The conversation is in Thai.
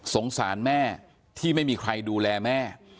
สงสารแม่ที่ไม่มีใครดูแลแม่